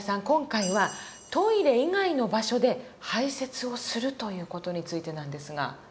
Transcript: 今回はトイレ以外の場所で排泄をするという事についてなんですが。